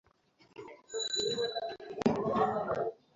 কী সুন্দর মেয়ে!